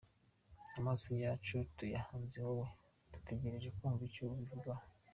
Amaso yacu tuyahanze wowe, dutegereje kumva icyo ubivugaho.